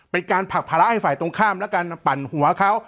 เป็นการผลักภาระให้ฝ่ายตรงข้ามและการปั่นหัวเขา